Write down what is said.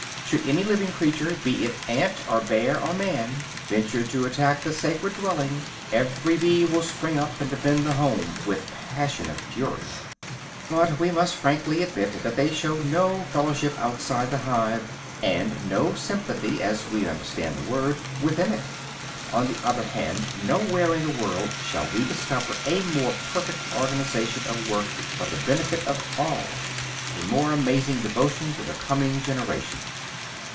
Should any living creature, be it ant or bear or man, venture to attack the sacred dwelling, every bee will spring up and defend the home with passionate fury. But we must frankly admit that they show no fellowship outside the hive, and no sympathy, as we understand the word, within it. On the other hand, nowhere in the world shall we discover a more perfect organization of work for the benefit of all, a more amazing devotion to the coming generation.